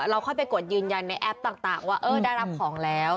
ค่อยไปกดยืนยันในแอปต่างว่าได้รับของแล้ว